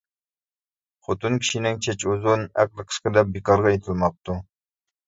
«خوتۇن كىشىنىڭ چېچى ئۇزۇن، ئەقلى قىسقا» دەپ بىكارغا ئېيتىلماپتۇ.